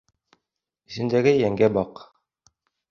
Эсендәге йәнгә баҡ.